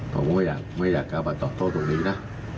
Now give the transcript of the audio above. ผมก็ไม่อยากเอาบัตรตอบโทษตรงนี้นะ